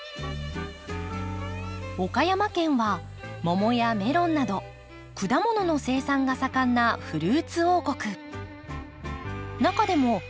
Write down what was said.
岡山県は桃やメロンなど果物の生産が盛んなフルーツ王国。